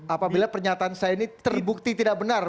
apabila pernyataan saya ini terbukti tidak benar